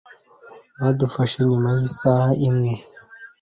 Badufashe nyuma yisaha yisaha.